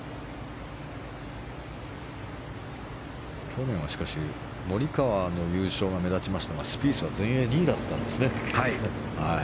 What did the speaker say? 去年はしかしモリカワの優勝が目立ちましたがスピースは全英２位だったんですね。